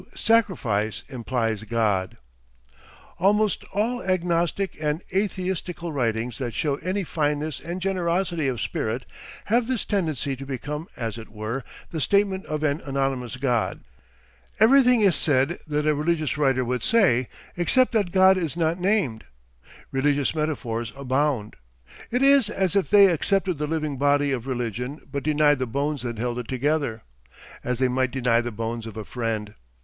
SACRIFICE IMPLIES GOD Almost all Agnostic and Atheistical writings that show any fineness and generosity of spirit, have this tendency to become as it were the statement of an anonymous God. Everything is said that a religious writer would say except that God is not named. Religious metaphors abound. It is as if they accepted the living body of religion but denied the bones that held it together as they might deny the bones of a friend.